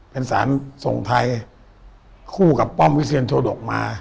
เป็นศาลทรงไทยคู่กับป้อมวิเศษโธดกมา